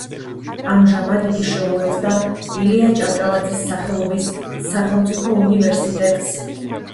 ამჟამად იგი შეუერთდა ილია ჭავჭავაძის სახელობის სახელმწიფო უნივერსიტეტს.